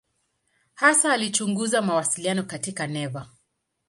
Hasa alichunguza mawasiliano katika neva.